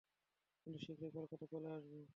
কিন্তু শীঘ্রই কলকাতা চলে আসবো।